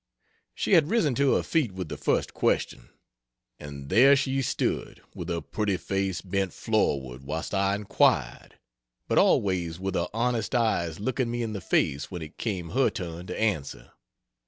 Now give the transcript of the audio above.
She had risen to her feet with the first question; and there she stood, with her pretty face bent floorward whilst I inquired, but always with her honest eyes looking me in the face when it came her turn to answer.